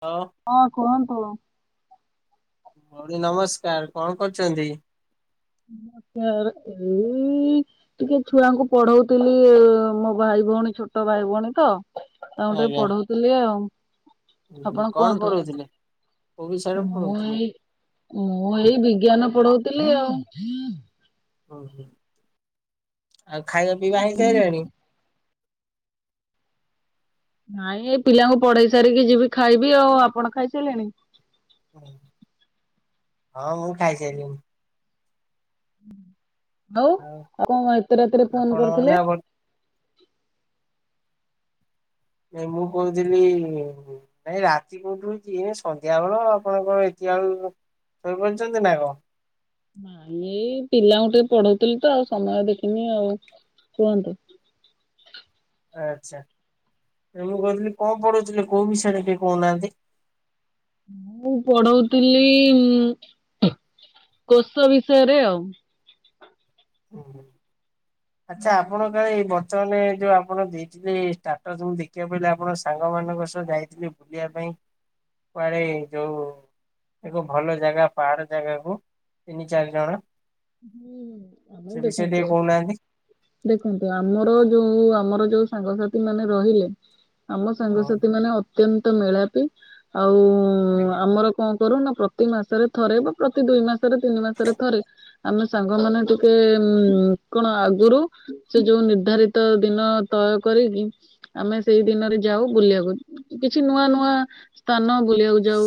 ଓ ହଁ କୁହନ୍ତୁ। ଭଉଣୀ ନମସ୍କାର କଣ କରୁଚନ୍ତି? ମୋତେ ଆର ଏଇ ଟିକେ ଛୁଆଙ୍କୁ ପଢଉଥିଲି ଏ ମୋ ଭାଇ ଭଉଣୀ ଛୋଟ ଭାଇ ଭଉଣୀ ତ। ତାଙ୍କୁ ଟିକେ ଆଜ୍ଞା ପଢଉଥିଲି ଆଉ। ହୁଁ ହୁଁ। ଆପଣ କଣ କୁହନ୍ତୁ ପଢଉଥିଲେ? କୋଉ ବିଷୟରେ ମୁଁ ପଢଉଥିଲେ? ଏଇ ମୁଁ ଏଇ ବିଜ୍ଞାନ ପଢଉଥିଲି ଆଉ। ଆଉ ଖାଇବା ପିଇବା ହେଇସାଇଲାଣି? ନାଇଁ ଏ ପିଲାଙ୍କୁ ପଢେଇ ସାରିକି ଯିବି ଖାଇବି ଆଉ। ଆପଣ ଖାଇସାଇଲେଣି? ହଁ ମୁଁ ଖାଇସାଇଲିଣି। ହଉ ଆଉ ଆପଣ କଣ ଏତେ ରାତିରେ ଫୋନ୍ ଆପଣ ଏଇନା କରିଥିଲେ? ବ ଏ ମୁଁ କହୁଥିଲି ଏ ରାତି କୋଉଠୁ ହେଇଚି ଏ ସନ୍ଧ୍ୟା ବେଳ ଆପଣ କଣ ଏତିକା ବଳୁ ଶୋଇପଡଛନ୍ତି ନା କ? ନାଇଁ ଏଇ ପିଲାଙ୍କୁ ଟିକେ ପଢଉଥିଲି ତ ଆଉ ସମୟ ଦେଖିନି ଆଉ କୁହନ୍ତୁ। ଆଚ୍ଛା ଏ ମୁଁ କହୁଥିଲି କଣ ପଢୁଉଥିଲେ କୋଉ ବିଷୟରେ ଟିକେ କହୁନାହାନ୍ତି? ମୁଁ ପଢଉଥିଲି ଉଁ, କୋଷ ବିଷୟରେ ଆଉ। ଓ ହଁ ଆଚ୍ଛା ଆପଣ ଏଇ ବର୍ତ୍ତମାନେ ଯୋଉ ଆପଣ ଦେଇଥିଲେ ଷ୍ଟାଟସ୍ ମୁଁ ଦେଖିବାକୁ ପାଇଲି ଆପଣ ସାଙ୍ଗମାନଙ୍କ ସହ ଯାଇଥିଲେ ବୁଲିବା ପାଇଁ କୁଆଡେ ଯୋଉ ଏକ ଭଲ ଜାଗା ପାହାଡ ଜାଗାକୁ ତିନି ଚାରି ଜଣ। ହୁଁ, ସେ ଆମେ ବିଷୟରେ ଟିକେ ଦେଖନ୍ତୁ କହୁନାହାନ୍ତି। ଦେଖନ୍ତୁ ଆମର ଯୋଉ ଆମର ଯୋଉ ସାଙ୍ଗସାଥି ମାନେ ରହିଲେ ଆମ ସାଙ୍ଗସାଥି ମାନେ ଅତ୍ୟନ୍ତ ମେଳାପି। ଆଉ ଉଁ, ଆଜ୍ଞା ଆମର କଣ କରୁ ନା ପ୍ରତି ମାସରେ ଥରେ ବା ପ୍ରତି ଦୁଇ ମାସରେ ତିନି ମାସରେ ଥରେ ଆମେ ସାଙ୍ଗମାନେ ଟିକେ ଉଁ, କଣ ଆଗରୁ ସେ ଯୋଉ ନିର୍ଦ୍ଧାରିତ ଦିନ ତୟ କରିକି ଆମେ ସେଇ ଦିନରେ ଯାଉ ବୁଲିବାକୁ କିଛି ନୂଆ ନୂଆ ସ୍ଥାନ ବୁଲିବାକୁ ଯାଉ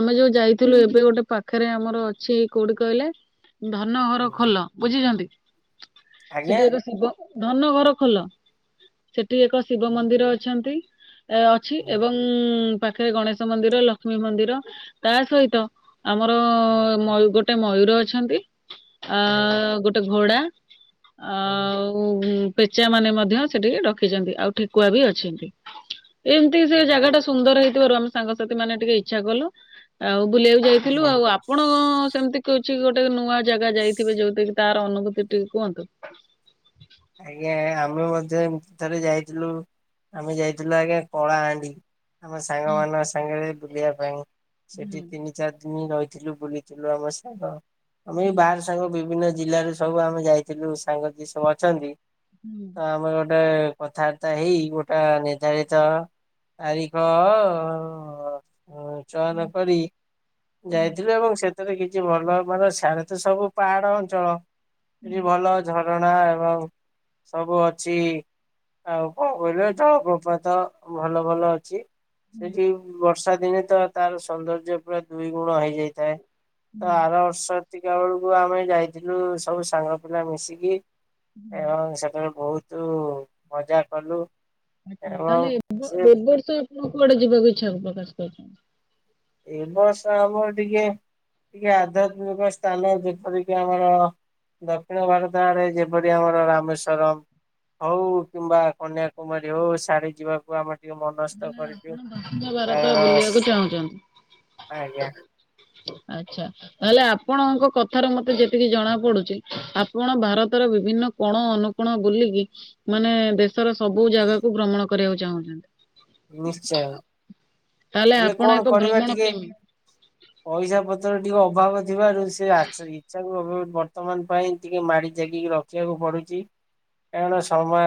ଆମେ ଯୋଉ ଯାଇଥିଲୁ ଏବେ ଗୋଟେ ପାଖରେ ଆମର ଅଛି କୋଉଠି କହିଲେ ଧନ ଘର ଖୋଲ ବୁଝିଚନ୍ତି ଆଜ୍ଞା ସେଠି ଏକ ଶିବ ଧନ ଘର ଖୋଲ, ସେଠି ଏକ ଶିବ ମନ୍ଦିର ଅଛନ୍ତି। ଏ ଅଛି ଏବଂ ପାଖରେ ଗଣେଶ ମନ୍ଦିର ଲକ୍ଷ୍ମୀ ମନ୍ଦିର ତା ସହିତ ଆମର ମ ଗୋଟେ ମୟୂର ଅଛନ୍ତି। ଅ ଗୋଟେ ଘୋଡ଼ା ଆଉ ପେଚା ମାନେ ମଧ୍ୟ ସେଠି ରଖିଚନ୍ତି ଆଉ ଠେକୁଆ ବି ଅଛନ୍ତି। ଏମିତି ସେ ଜାଗା ଟା ସୁନ୍ଦର ହେଇଥିବାରୁ ଆମେ ସାଙ୍ଗସାଥି ମାନେ ଟିକେ ଇଚ୍ଛା କଲୁ। ଆଉ ବୁଲିବାକୁ ଯାଇଥିଲୁ ଆଉ ଆପଣ ସେମିତି କିଛି ଗୋଟେ ନୂଆ ଜାଗା ଯାଇଥିବେ ଯଉଠିକିି ତାର ଅନୁଭୂତି ଟିକେ କୁହନ୍ତୁ। ଆଜ୍ଞା ଆମେ ମଧ୍ୟ ଏମତି ଥରେ ଯାଇଥିଲୁ। ଆମେ ଯାଇଥିଲୁ ଆଜ୍ଞା କଳାହାଣ୍ଡି। ଆମ ସାଙ୍ଗ ହୁଁ ମାନଙ୍କ ସାଙ୍ଗରେ ବୁଲିବା ପାଇଁ ସେଠି ତିନି ଚାରି ଦିନି ରହିଥିଲୁ ବୁଲିଥିଲୁ ଆମ ସେ, ଆମେ ଏ ବାହାର ସାଙ୍ଗ ବିଭିନ୍ନ ଜିଲ୍ଲାରୁ ସବୁ ଆମେ ଯାଇଥିଲୁ ସାଙ୍ଗ ଯିଏ ସବୁ ଅଛନ୍ତି ହୁଁ। ତ ଆମର ଗୋଟେ କଥାବାର୍ତ୍ତା ହେଇ ଗୋଟେ ନିର୍ଦ୍ଧାରିତ ତାରିଖ ଚୟନ କରି ଯାଇଥିଲୁ ଏବଂ ସେଥିରେ କିଛି ଭଲ ମାନେ ସିଆଡ଼େ ତ ସବୁ ପାହାଡ ଅଞ୍ଚଳ ଏଠି ଭଲ ଝରଣା ଏବଂ ସବୁ ଅଛି। ଆଉ କଣ କରିବା ତ ଜଳ ପ୍ରପାତ ଭଲ ଭଲ ଅଛି। ସେଠି ବର୍ଷା ଦିନେ ତ ତାର ସୌନ୍ଦର୍ଯ୍ୟ ପୁରା ଦୁଇ ଗୁଣ ହେଇଯାଇଥାଏ। ତ ହୁଁ, ଆର ବର୍ଷ ଏତିକା ବେଳକୁ ଆମେ ଯାଇଥିଲୁ ସବୁ ସାଙ୍ଗ ପିଲା ମିଶିକି ହୁଁ। ଏବଂ ସେଠାରେ ବହୁତ ମଜା କଲୁ। ଆଚ୍ଛା ଏବଂ ତାହେଲେ ଏ ସେ ବର୍ ଏବର୍ଷ ଆପଣ କୁଆଡେ ଯିବାକୁ ଇଚ୍ଛା ପ୍ରକାଶ କରିଚନ୍ତି? ଏ ବର୍ଷ ଆମର ଟିକେ ଟିକେ ଆଧ୍ୟାତ୍ମିକ ସ୍ଥାନ ଯେପରିକି ଆମର ଦକ୍ଷିଣ ଭାରତ ଆରେ ଯେପରି ଆମର ରାମେଶ୍ଵରମ। ହଉ କିମ୍ବା କନ୍ୟାକୁମାରୀ ହଉ ସିଆଡ଼େ ଯିବାକୁ ଆମର ଟିକେ ମନସ୍ଥ ମାନେ କରିଚୁ କାରଣ ଚାହୁଛନ୍ତି ଆଜ୍ଞା ଆଛା। ତାହେଲେ ଆପଣଙ୍କ କଥାର ମତେ ଯେତିକି ଜଣା ପଡୁଚି ଆପଣ ଭାରତର ବିଭିନ୍ନ କଣ ଅନୁ କୋଣ ବୁଲିକି ମାନେ ଦେଶର ସବୁ ଜାଗାକୁ ଭ୍ରମଣ କରିବାକୁ ଚାହୁଁଚନ୍ତି। ନିଶ୍ଚୟ ତାହେଲେ ହେଲେ ଆପଣ କଣ ଏକ କରିବା ଭ୍ରମଣ ଟିକେ ପ୍ରେମୀ। ପଇସା ପତ୍ର ଟିକେ ଅଭାବ ଥିବାରୁ ସେ ଆଛ ଇଚଛାକୁ ବର୍ତ୍ତମାନ ପାଇଁ ଟିକେ ମାଡି ଜାଗିକି ରଖିବାକୁ ପଡୁଚି। ଏଣ ସମୟ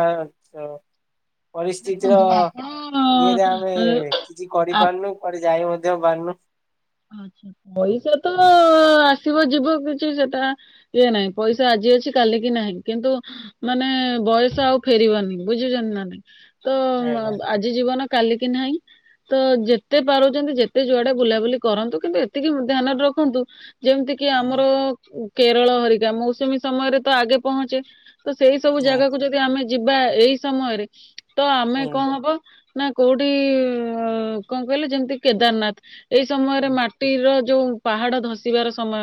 ତ ପରିସ୍ଥିତିର ଦେଖନ୍ତୁ ଆପଣ ଇଏରେ ଆମେ ଅ, କିଛି ଆ କରିପାରୁନି କୁଆଡ଼େ ଯାଇ ମଧ୍ୟ ପାରୁନୁ। ଆଛା ପଇସା ତ ଆସିବ ଯିବ କିଛି ସେଟା ଇଏ ନାହିଁ ପଇସା ଆଜି ଅଛି କାଲି କି ନାହିଁ କିନ୍ତୁ ମାନେ ବୟସ ଆଉ ଫେରିବନି ବୁଝିଚନ୍ତି ନା ନାଇଁ ତ ଆ ଆଜ୍ଞା। ଆଜି ଜୀବନ କା କି ନାହିଁ ତ ଯେତେ ପାରୁଛନ୍ତି ଯେତେ ଯୁଆଡେ ବୁଲାବୁଲି କରନ୍ତୁ କିନ୍ତୁ ଏତିକି ଧ୍ୟାନରେ ରଖନ୍ତୁ ଯେମିତି କିି ଆମର କେରଳ ହରିକା ମୌସୁମୀ ସମୟରେ ତ ଆଗେ ପହଞ୍ଚେ ତ ସେଇ ସବୁ ଜାଗାକୁ ଆଜ୍ଞା ଯଦି ଆମେ ଯିବା ଏଇ ସମୟରେ ତ ଆମେ କଣ ହବ ନା କୋଉଠି କଣ କହିଲେ ଯେମିତି କେଦାରନାଥ ଏଇ ସମୟରେ ମା ଟିର ଯୋଉ ପାହାଡ ଧସିବାର ସମୟ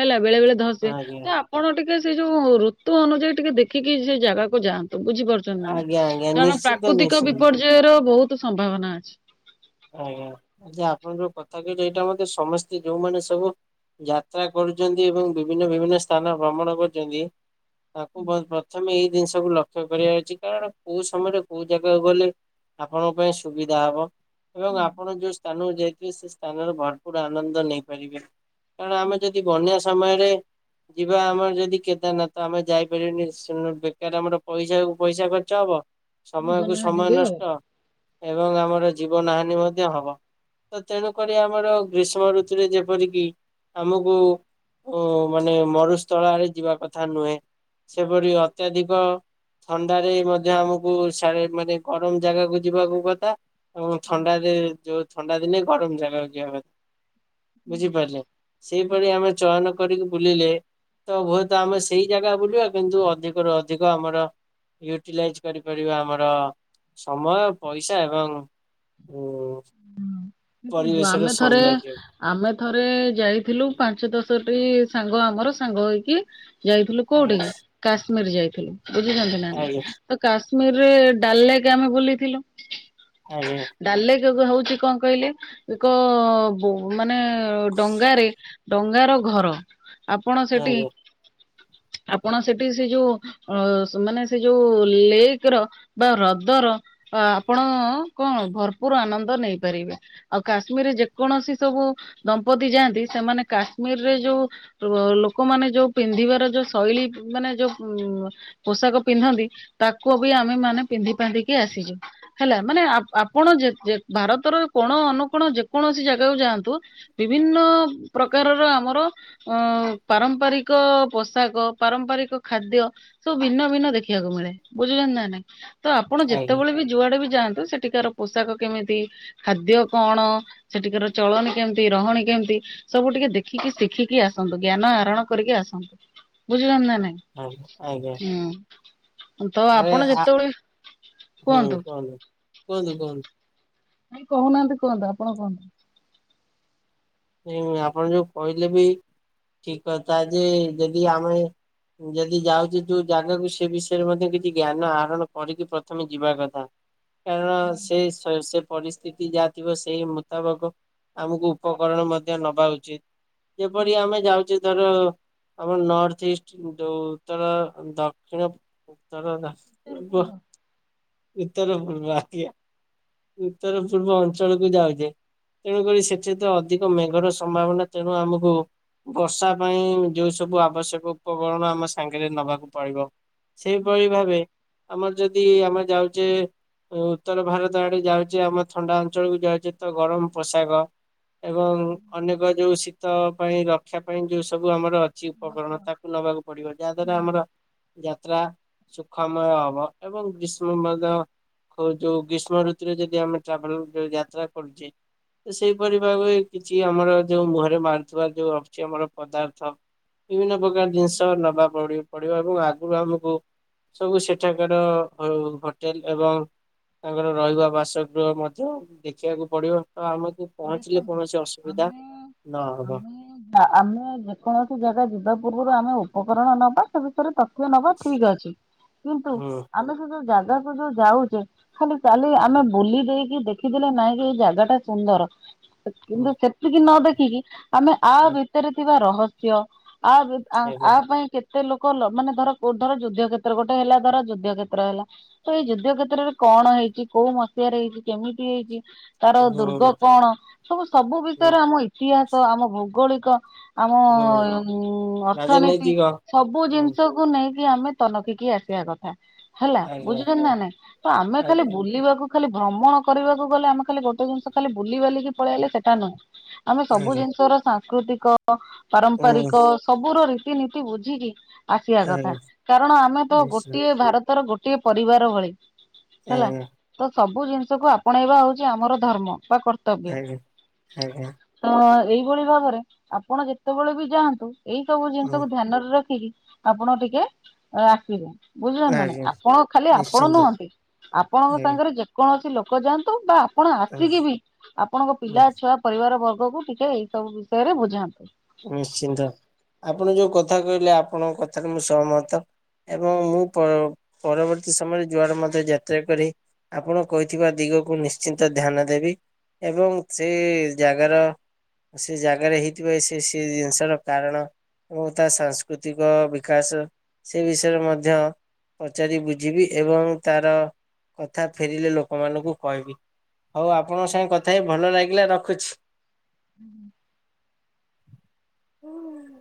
ହେଲା ବେଳେ ବେଳେ ଧସେ ଆଜ୍ଞା ତ ଆଜ୍ଞା ଆପଣ ଟିକେ ସେ ଯୋଉ ଋତୁ ଅନୁଯାୟୀ ଟିକେ ଦେଖିକି ସେ ଜାଗାକୁୁ ଯାଆନ୍ତୁ ବୁଝି ପାରୁଚ ନ୍ତି ନା ଆଜ୍ଞା ନାଇଁ ଆଜ୍ଞା କାରଣ ନିଶ୍ଚିନ୍ତ ପ୍ରାକୃତିକ ନିଶ୍ଚିନ୍ତ ବିପର୍ଯ୍ୟୟ ର ବହୁତ ସମ୍ଭାବନା ଅଛି। ଆଜ୍ଞା, ଯା ଆପଣ ଯଉ କଥା କହିଲେ, ଏଇଟା ମତେ ସମସ୍ତେ ଯୋଉଁମାନେ ସବୁ ଯାତ୍ରା କରୁଛନ୍ତି ଏବଂ ବିଭିନ୍ନ ବିଭିନ୍ନ ସ୍ଥାନ ଭ୍ରମଣ କରୁଛନ୍ତି। ତାଙ୍କୁ ପ୍ର-ପ୍ରଥମେ ଏଇ ଜିନିଷକୁୁ ଲକ୍ଷ୍ୟ କରିବା ଅଛି। କାରଣ କୋଉ ସମୟରେ, କୋଉ ଜାଗାକୁ ଗଲେ ଆପଣଙ୍କ ପାଇଁ ସୁବିଧା ହବ? ଏବଂ ଆପଣ ଯୋଉ ସ୍ଥାନକୁ ଯାଇଥିବେ, ସେ ସ୍ଥାନରେ ଭରପୁର ଆନନ୍ଦ ନେଇପାରିବେ। କାରଣ ଆମେ ଯଦି ବନ୍ୟା ସମୟରେ ଯିବା ଆମର ଯଦି କେଦାରନାଥ ତ ଆମେ ଯାଇପାରିବାନି, ସୁନୁ ବେକାର ଆମର ପଇସାକୁ ପଇସା ଖର୍ଚ୍ଚ ହବ। ସମୟକୁ ସମୟ ନଷ୍ଟ ଏବଂ ଆମର ଜୀବନ ହାନି ମଧ୍ୟ ହବ। ତ ତେଣୁ କରି ଆମର ଗ୍ରୀଷ୍ମ ଋତୁରେ ଯେପରିକି, ଆମକୁ ଉଁ ମାନେ ମରୁସ୍ଥଳ ଆରେ ଯିବା କଥା ନୁହେଁ। ସେପରି ଅତ୍ୟଧିକ ଥଣ୍ଡାରେ ମଧ୍ୟ ଆମକୁ ସିଆଡ଼େ, ମାନେ ଗରମ ଜାଗାକୁ ଯିବାକୁ କଥା ଏବଂ ଥଣ୍ଡାରେ ଯୋଉ ଥଣ୍ଡା ଦିନେ ଗରମ ଜାଗାକୁ ଯିଆ କଥା। ବୁଝିପାରିଲେ, ସେଇଭଳି ଆମେ ଚୟନ କରିକି ବୁଲିଲେ ତ ହୁଏତ, ଆମେ ସେଇ ଜାଗା ବୁଲିବା କିନ୍ତୁ, ଅଧିକରୁୁ ଅଧିକ ଆମର ୟୁଟିଲାଇଜ୍ କରିପାରିବା ଆମର, ସମୟ ପଇସା ଏବଂ ଓ-ଓ ଦେଖନ୍ତୁ, ଆମେ ଥରେ ଆମେ ଥରେ ଯାଇଥିଲୁ, ପାଞ୍ଚ ଦଶଟି ସାଙ୍ଗ ଆମର ସାଙ୍ଗ ହେଇକି ଯାଇଥିଲୁ କୋଉଠିକି? ଆଜ୍ଞା କାଶ୍ମୀର ଯାଇଥିଲୁ। ବୁଝୁଛନ୍ତି ନା ନାଇଁ ଆଜ୍ଞା ତ କାଶ୍ମୀରରେ ଡାଲ୍ ଲେକ୍, ଆମେ ବୁଲିଥିଲୁ। ଆଜ୍ଞା! ଡାଲ୍ ଲେକ୍ କ ହଉଛି କଣ କହିଲେ? ଏକ ବ ମାନେ ଡଙ୍ଗାରେ ଡଙ୍ଗାର ଘର ଆପଣ ସେଠି, ଆଜ୍ଞା ଆପଣ ସେଠି ସେ, ଯୋଉଁ ଅ ମାନେ, ସେ ଯୋଉ ଲେକ୍ ର ବା ହ୍ରଦର ଅ ଆପଣ କଣ? ଭର୍ ପୁର୍ ଆନନ୍ଦ ନେଇପାରିବେ। ଆଉ, କାଶ୍ମୀରରେ ଯେକୌଣସି ସବୁ ଦମ୍ପତି ଯାଆନ୍ତି, ସେମାନେ କାଶ୍ମୀରରେ ଯୋଉ ଲୋକମାନେ ଯଉ ପିନ୍ଧିବାର, ଯଉ ଶୈଳୀ ମାନେ ଯଉ ଉଁ-ମ୍ ପୋଷାକ ପିନ୍ଧନ୍ତି! ତାକୁ ଅବି ଆମେ ମାନେ ପିନ୍ଧି ପାନ୍ଧିକି ଆସିଛୁ। ହେଲା, ମାନେ ଆ-ଆପଣ ଯେ-ଯେ ଭାରତର କୋଣ ଅନୁକୋଣ ଯେକୌଣସି ଜାଗାକୁ ଯାଆନ୍ତୁ। ବିଭିନ୍ନ ପ୍ରକାରର ଆମର ଅ ପାରମ୍ପାରିକ ପୋଷାକ, ପାରମ୍ପାରିକ ଖାଦ୍ୟ ସବୁ ଭିନ୍ନ ଭିନ୍ନ ଦେଖିବାକୁ ମିଳେ। ବୁଝୁଛନ୍ ନା ନାଇଁ। ତ ଆପଣ ଆଜ୍ଞା ଯେତେବେଳେ ବି ଯୁଆଡେ ବି ଯାଆନ୍ତୁ! ସେଠିକାର ପୋଷାକ କେମିତି, ଖାଦ୍ୟ, କଣ? ସେଠିକାର ଚଳନି କେମିତି? ରହଣି କେମିତି? ସବୁ ଟିକେ ଦେଖିକି ଶିଖିକି ଆସନ୍ତୁ। ଜ୍ଞାନ ଆହରଣ କରିକି ଆସନ୍ତୁ। ବୁଝୁଛନ୍ ନାଇଁ? ଆଜ୍ଞା, ଆଜ୍ଞା! ହୁଁ, ତ ଆରେ ଆପଣ ଯେତେବେଳେ, କୁହନ୍ତୁ। କୁହନ୍ତୁ, କୁହନ୍ତୁ। ନାଇଁ, କହୁନାହାଁନ୍ତି! କୁହନ୍ତୁ, ଆପଣ କୁହନ୍ତୁ। ନାଇଁ, ଆପଣ ଯୋଉ କହିଲେ ବି ଠିକ୍ କଥା ଯେ, ଯଦି ଆମେ ଯଦି ଯାଉଛି, ଯୋଉ ଜାଗାକୁ, ସେ ବିଷୟରେ ମଧ୍ୟ କିଛି ଜ୍ଞାନ ଆହରଣ କରିକି ପ୍ରଥମେ ଯିବା କଥା। କାରଣ, ସେ ସେ ପରିସ୍ଥିତି ଯାହାଥିବ, ସେଇ ମୁତାବକ ଆମକୁ ଉପ କରଣ ମଧ୍ୟ ନବା ଉଚିତ୍। ଯେପରି ଆମେ ଯାଉଛେ ଧର, ଆମର ନର୍ଥ ଇଷ୍ଟ ଯୋଉ, ତର ଦକ୍ଷିଣ ଉତ୍ତର ଧା ସେଆରୁ ପୁହ। ଉତ୍ତର ପୂର୍ବ, ଆତ୍ୟା, ଉତ୍ତର ପୂର୍ବ ଅଞ୍ଚଳକୁ ଯାଉଛେ। ତେଣୁକରି ସେଠିତ ଅଧିକ ମେଘର ସମ୍ଭାବନା! ତେଣୁ ଆମକୁ ବର୍ଷା ପାଇଁ, ଯୋଉ ସବୁ ଆବଶ୍ୟକ ଉପକରଣ ଆମ ସାଙ୍ଗରେ ନବାକୁ ପଡିବ। ସେଇଭଳି ଭାବେ ଆମର ଯଦି ଆମେ ଯାଉଚେ ଓ ଉତ୍ତର ଭାରତ ଆଡ଼େ ଯାଉଚେ ଆମେ ଥଣ୍ଡା ଅଞ୍ଚଳକୁ ଯାଉଚେ ତ ଗରମ ପୋଷାକ ଏବଂ ଅନେକ ଯୋଉ ଶୀତ ପାଇଁ ରକ୍ଷା ପାଇଁ ଯୋଉ ସବୁ ଆମର ଚି ଉପକରଣ ତାକୁ ନବାକୁ ପଡ଼ିବ ଯାହା ଦ୍ଵାରା ଆମର ଯାତ୍ରା ସୁଖମୟ ହବ ଏବଂ ଗ୍ରୀଷ୍ ମୁ ମଦ ଖୋ ଯୋଉ ଗୀଷ୍ମ ଋତୁରେ ଯଦି ଆମେ ଟ୍ରାଭେଲ୍ ଯୋଉ ଯାତ୍ରା କରୁଚେ ତ ସେଇପରି ଭାବେ କିଛି ଆମର ଯୋଉ ମୁହରେ ମାରୁଥିବା ଯୋଉ ଆସୁଚି ଆମର ପଦାର୍ଥ ହ ବିଭିନ୍ନ ପ୍ରକାର ଜିନିଷ ନବା ପଡ଼ି ପଡ଼ିବ ଏବଂ ଆଗୁରୁ ଆମୁକୁ ସବୁ ସେଠାକାର ଅଉ ହୋଟେଲ ଏବଂ ତାଙ୍କର ରହିବା ବାସଗୃହ ମଧ୍ୟ ଦେଖିବାକୁ ପଡ଼ିବ ଆ ଆମେକୁ ପହଞ୍ଚିଲେ କୌଣସି ଅସୁବିଧା ନହବ। ନାଁ ଆମେ ଯେକୌଣସି ଜାଗା ଯିବା ପୂର୍ବରୁ ଆମେ ଉପକରଣ ନବା ସେ ବିଷୟରେ ତ ତିଅ ନବା ଠିକ୍ ଅଛି କିନ୍ତୁ ହୁଁ। ଆମେ ସେ ଯୋଉ ଜାଗାକୁ ଯୋଉ ଯାଉଚେ ଖାଲି ଚାଲି ହୁଁ ଆମେ ବୁଲି ଦେଇକି ଦେଖିଦେଲେ ନାଇଁ ଯେ ଏଇ ଜାଗାଟା ସୁନ୍ଦର। ହେ ହୁଁ କିନ୍ତୁ ସେତିକି ନ ଦେଖିକି ଆମେ ଆ ହୁଁ ଭିତରେ ଥିବା ରହସ୍ୟ ଆ ବ୍ୟ ଆ ଆଜ୍ଞା ଆ ପାଇଁ କେ ଟେ ଲୋକ ଲ ମାନେ ଧର କୋଉ ଧର ଯୁଦ୍ଧ୍ୟ କ୍ଷେତ୍ର ଗୋଟେ ହେଲା ଧର ଯୁଦ୍ଧ୍ୟ କ୍ଷେତ୍ର ହେଲା ତ ଏଇ ଯୁଦ୍ଧ୍ୟ କ୍ଷେତ୍ରରେ କଣ ହେଇଚି କୋଉ ମସିହାରେ ହେଇଚି କେମିତି ହେଇଚି ତାର ହୁଁ ଦୁର୍ଗ ହୁଁ କଣ ସବୁ ସବୁ ବିଷୟରେ ଆମ ଇତିହାସ ଆମ ଭୌଗୋଳିକ ଆମ ହୁଁ ଉ ଅର୍ଥନୀତି ରାଜନୈତିକ ସବୁ ହୁଁ ଜିନ୍ଷ କୁ ନେଇକି ଆମେ ତନଖିକି ଆସିବା କଥା। ହେଲା ଆଜ୍ଞା ବୁଝୁଚନ୍ତି ନାଁ ନାଇଁ ତ ଆମେ ଖାଲି ଆଜ୍ଞା ବୁଲିବାକୁ ଖାଲି ଭ୍ରମଣ କରିବାକୁ ଗଲେ ଆମେ ଖାଲି ଗୋଟେ ଜିନିଷ ଖାଲି ବୁଲିିବାଲିକି ପଳିଆଇଲେ ସେଟା ନୁହେଁ। ଆମେ ସବୁ ଆଜ୍ଞା ଜିନିଷର ସାଂସ୍କୃତିକ ଉଁ ପାରମ୍ପାରିକ ସବୁର ରୀତିନୀତି ବୁଝିକି ଆସିବା କଥା ଆଜ୍ଞା କାରଣ ଆମେ ତ ନିଶ୍ଚୟ ଗୋଟିଏ ଭାରତର ଗୋ ଟିଏ ପରିବାର ଭଳି ହେଲା ଆଜ୍ଞା ତ ସବୁ ଜିନିଷକୁ ଆପଣେଇବା ହୋଉଚି ଆମର ଧର୍ମ। ବା କର୍ତ୍ତବ୍ୟ। ଆଜ୍ଞା ଆଜ୍ଞା ତ ଏଇଭଳି ଭାବରେ ଆପଣ ଯେତୋବେଳେ ବି ଯାଆନ୍ତୁ ଏଇ ସବୁ ଉଁ ଜିନିଷକୁ ଧ୍ୟାନରେ ରଖିକି ଆପଣ ଟିକେ ଆସିବେ। ବୁଝିିଲଣି ନାଁ ନାଇଁ ଆଜ୍ଞା ଆପଣ ଖାଲି ଆପଣ ଖାଲି ନିଶ୍ଚିନ୍ତ ନୁହନ୍ତି ଆପଣଙ୍କ ଆଜ୍ଞା ସାଙ୍ଗରେ ଯେ କୌଣସି ଲୋକ ଯାଆନ୍ତୁ ବା ଆପଣ ଉଁ ଆସିକି ବି ଆପଣଙ୍କ ଉଁ ପିଲା ଛୁଆ ପରିବାର ବର୍ଗକୁ ଟିକେ ଏଇ ସବୁ ବିଷୟରେ ବୁଝାନ୍ତୁ। ନିଶ୍ଚିନ୍ତ ଆପଣ ଯୋଉ କଥା କହିଲେ ଆପଣଙ୍କ କଥାରେ ମୁଁ ସହମତ। ଏବଂ ମୁଁ ପର ପରବର୍ତ୍ତୀ ସମୟରେ ଯୁଆର ମଧ୍ୟ ଯାତ୍ରା କରେ ଆପଣ କହିଥିବା ଦିଗକୁ ନିଶ୍ଚିନ୍ତ ଧ୍ୟାନ ଦେବି। ଏବଂ ସେ ଜାଗାର ସେ ଜାଗାରେ ହେଇଥିବା ଏସ୍ ଏ ସିଏ ଜିନିଷର କାରଣ ଓ ତା ସାଂସ୍କୃତିକ ବିକାଶ ସେ ବିଷୟରେ ମଧ୍ୟ ପଚାରି ବୁଝିବି ଏବଂ ତାର କଥା ଫେରିଲେ ଲୋକମାନଙ୍କୁ କହିବି। ହଉ ଆପଣଙ୍କ ସାଙ୍ଗେ କଥା ହେଇ ଭଲ ଲାଗିଲା ରଖୁଛି। ହୁଁ। ହୁଁ।